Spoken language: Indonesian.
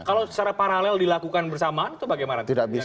kalau secara paralel dilakukan bersamaan itu bagaimana